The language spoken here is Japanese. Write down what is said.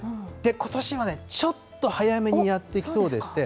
ことしはね、ちょっと早めにやってきそうでして。